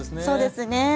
そうですね。